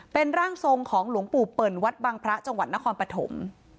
เป็นร่างทรงของหลวงปู่เปิ่นวัดบังพระจังหวัดนครปฐม